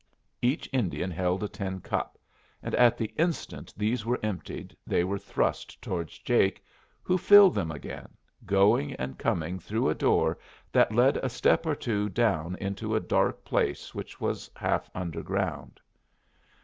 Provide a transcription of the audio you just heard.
Each Indian held a tin cup, and at the instant these were emptied they were thrust towards Jake, who filled them again, going and coming through a door that led a step or two down into a dark place which was half underground.